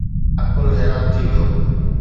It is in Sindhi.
عقل حيران ٿي ويو.